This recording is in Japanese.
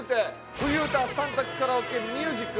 冬うた３択カラオケミュージック。